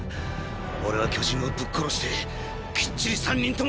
オレは巨人をぶっ殺してきっちり３人とも助ける！